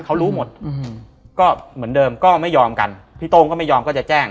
เขารู้หมดอืมก็เหมือนเดิมก็ไม่ยอมกันพี่โต้งก็ไม่ยอมก็จะแจ้ง